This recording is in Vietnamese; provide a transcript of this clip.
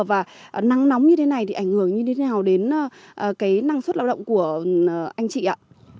và nắng nóng như thế này thì ảnh hưởng như thế nào đến cái năng suất lao động của anh chị ạ